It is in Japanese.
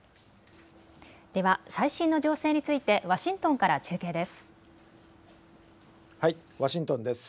では最新の情勢についてワシントンから中継です。